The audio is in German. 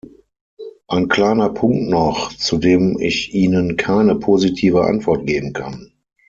Ein kleiner Punkt noch, zu dem ich Ihnen keine positive Antwort geben kann.